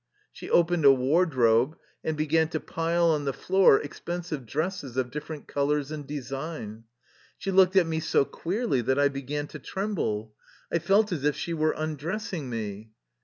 She opened a wardrobe and began to pile on the floor expensive dresses of different col ors and design. She looked at me so queerly that I began to tremble. I felt as if she were undressing me.